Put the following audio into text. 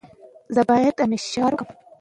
د ستونزو منل د شخصیت ودې لامل دی.